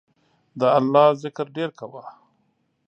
د الله ذکر ډیر کوه